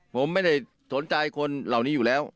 ผมไม่ได้สนใจคนเหล่านี้อยู่แล้ว